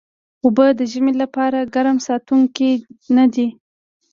اوبه د ژمي لپاره ګرم ساتونکي نه دي